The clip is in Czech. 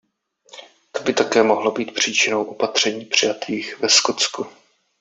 To by také mohlo být příčinou opatření přijatých ve Skotsku.